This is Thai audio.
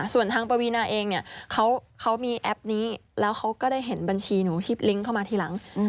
ส่วนทางปวีนาเองเนี่ยเขามีแอปนี้แล้วเขาก็ได้เห็นบัญชีหนูฮิปลิงก์เข้ามาทีหลัง